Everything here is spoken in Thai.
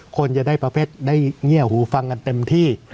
คนจะได้ประเภทได้เงียบหูฟังกันเต็มที่